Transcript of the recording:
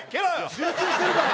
集中してるから。